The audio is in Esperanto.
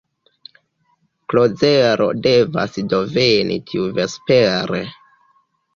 Klozelo devas do veni tiuvespere?